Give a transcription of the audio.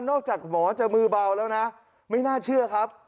หมอจะมือเบาแล้วนะไม่น่าเชื่อครับ